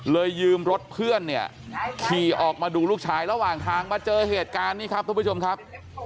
ยืมรถเพื่อนเนี่ยขี่ออกมาดูลูกชายระหว่างทางมาเจอเหตุการณ์นี้ครับทุกผู้ชมครับ